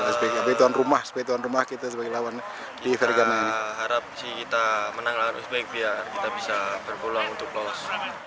untuk uzbek kita sebagai lawan di vergana ini harap sih kita menang lalu uzbek biar kita bisa berpeluang untuk lolos